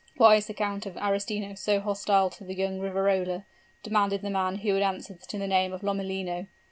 'Why is the Count of Arestino so hostile to young Riverola?' demanded the man who had answered to the name of Lomellino.